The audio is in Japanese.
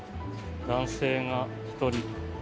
男性が１人。